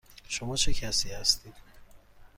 شما چه کسی هستید؟